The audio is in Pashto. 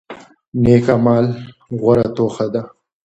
نیک اعمال غوره توښه ده.